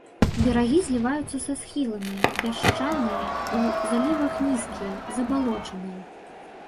Берагі зліваюцца са схіламі, пясчаныя, у залівах нізкія, забалочаныя.